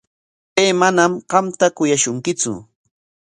Pay manam qamta kuyashunkitsu.